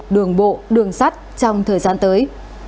đường bộ đường sắt trong thời gian tới